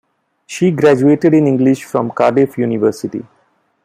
She graduated in English from Cardiff University.